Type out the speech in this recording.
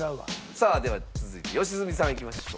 さあでは続いて良純さんいきましょう。